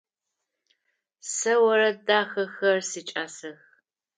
Сэ орэд дахэхэр сикӏасэх.